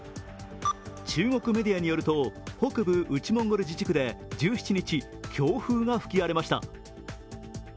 中国メディアによると、北部内モンゴル自治区で１７日、強風が吹き荒れました。